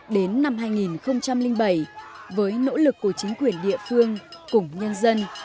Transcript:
đến năm hai nghìn bảy với nỗ lực của chính quyền địa phương cùng nhân dân